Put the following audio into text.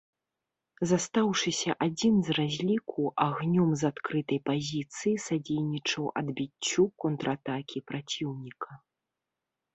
Застаўшыся адзін з разліку, агнём з адкрытай пазіцыі садзейнічаў адбіццю контратакі праціўніка.